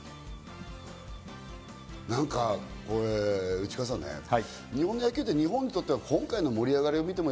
なんか内川さんね、日本の野球って日本にとっては今回の盛り上がりを見ても